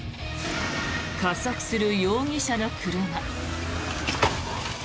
加速する容疑者の車。